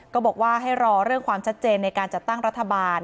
ก็บอกว่าให้รอเรื่องความชัดเจนในการจัดตั้งรัฐบาล